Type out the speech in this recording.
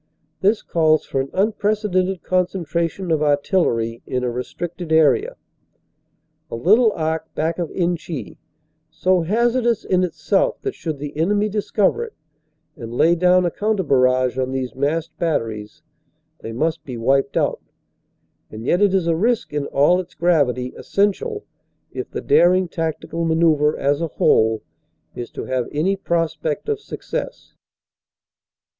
This calls for an unprecedented con centration of artillery in a restricted area, a little arc back of Inchy, so hazardous in itself that should the enemy discover it, and lay down a counter barrage on these massed batteries, they must be wiped out; and yet it is a risk in all its gravity essential if the daring tactical manoeuvre as a whole is to have any pros pect of success.